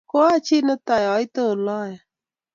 Koachi netai aite oloe